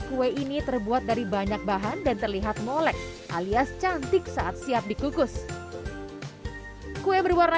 kue ini terbuat dari banyak bahan dan terlihat molek alias cantik saat siap dikukus kue berwarna